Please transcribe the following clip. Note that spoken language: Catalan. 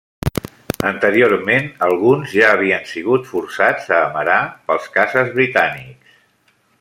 Anteriorment alguns ja havien sigut forçats a amerar pels caces britànics.